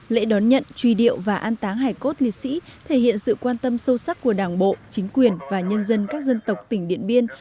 lễ đón nhận truy điệu và an táng hải cốt liệt sĩ thể hiện sự quan tâm sâu sắc của đảng bộ chính quyền và nhân dân các dân tộc tỉnh điện biên